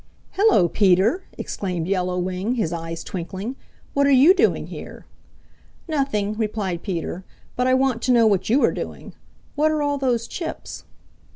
"Hello, Peter!" exclaimed Yellow Wing, his eyes twinkling. "What are you doing here?" "Nothing," replied Peter, "but I want to know what you are doing. What are all those chips?"